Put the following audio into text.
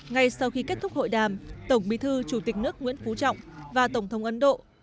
ngay sau khi kết thúc hội đàm tổng bí thư chủ tịch nước nguyễn phú trọng và tổng thống ấn độ